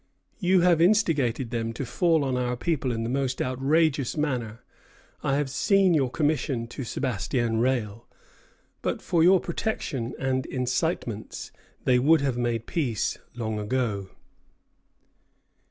You have instigated them to fall on our people in the most outrageous manner. I have seen your commission to Sebastien Rale. But for your protection and incitements they would have made peace long ago."